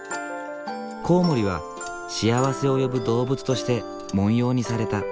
コウモリは幸せを呼ぶ動物として文様にされた。